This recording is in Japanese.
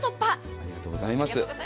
ありがとうございます。